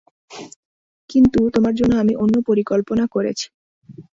কিন্তু, তোমার জন্য আমি অন্য পরিকল্পনা করেছি।